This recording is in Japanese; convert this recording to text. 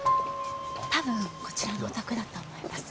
多分こちらのお宅だと思います。